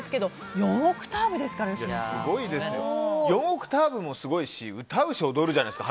４オクターブもすごいし歌うし、踊るじゃないですか。